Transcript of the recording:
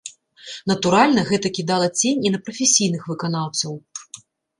Натуральна, гэта кідала цень і на прафесійных выканаўцаў.